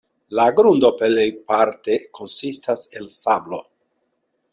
La grundo plejparte konsistas el sablo.